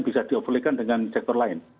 bisa diopolikan dengan sektor lain